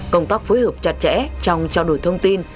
công tác phối hợp chặt chẽ trong trao đổi thông tin